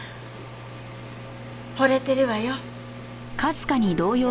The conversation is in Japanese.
惚れてるわよ。